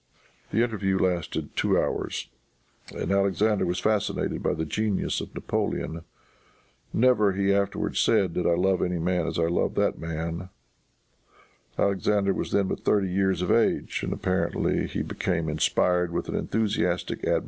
The interview lasted two hours, and Alexander was fascinated by the genius of Napoleon. "Never," he afterwards said, "did I love any man as I loved that man." Alexander was then but thirty years of age, and apparently he became inspired with an enthusiastic admiration of Napoleon which had never been surpassed.